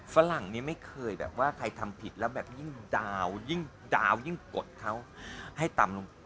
ฝรั่งนี้ไม่เคยแบบว่าใครทำผิดแล้วแบบยิ่งดาวยิ่งดาวยิ่งกดเขาให้ต่ำลง